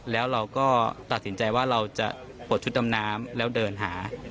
แล้วเราก็ตัดสินใจว่าเราจะปลดชุดดำน้ำแล้วเดินหา